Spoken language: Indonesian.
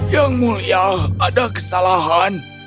yang mulia ada kesalahan